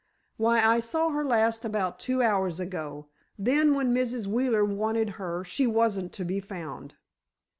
"Why, I saw her last about two hours ago. Then when Mrs. Wheeler wanted her she wasn't to be found."